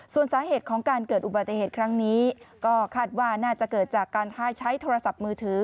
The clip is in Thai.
ส่วนสาเหตุของการเกิดอุบัติเหตุครั้งนี้ก็คาดว่าน่าจะเกิดจากการใช้โทรศัพท์มือถือ